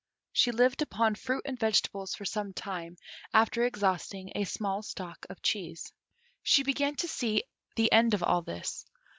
She lived upon fruit and vegetables for some time after exhausting a small stock of cheese. She began to see the end of all this.